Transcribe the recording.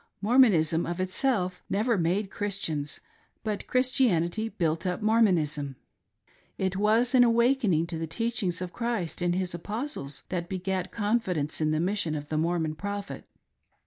Mor r monism of itself never made Christians, but Christianity built up Mormonism. It was an awakening to the teachings of Christ and his Apostles that begat confidence in the mis sion of the Mormon Prophet.